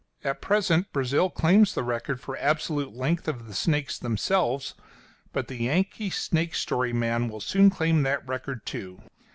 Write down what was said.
At present Brazil claims the record for absolute length of the snakes themselves; but the Yankee snake story man will soon claim that record too.